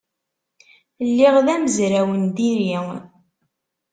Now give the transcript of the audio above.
Lliɣ d amezraw n diri.